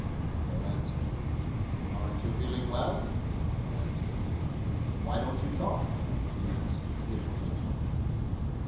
No answer. "Aren't you feeling well?" No answer. "Why don't you talk?" he asked with irritation.